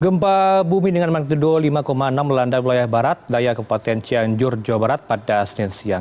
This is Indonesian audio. gempa bumi dengan magnitudo lima enam melanda wilayah barat daya kepaten cianjur jawa barat pada senin siang